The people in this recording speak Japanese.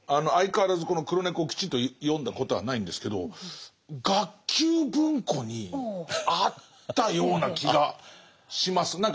相変わらずこの「黒猫」をきちっと読んだことはないんですけど学級文庫にあったような気がします。